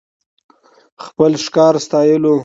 خپل ښکار ستايلو .